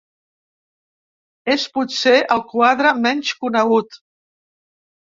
És potser el quadre menys conegut.